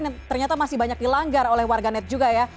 yang ternyata masih banyak dilanggar oleh warganet juga ya